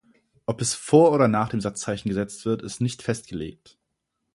Ob es vor oder nach dem Satzzeichen gesetzt wird, ist nicht festgelegt.